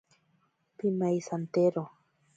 Pimaisantero.